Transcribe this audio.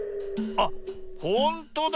あっほんとだ！